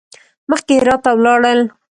مخکې هرات ته ولاړل.